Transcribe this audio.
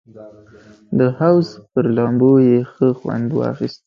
د حوض پر لامبو یې ښه خوند واخیست.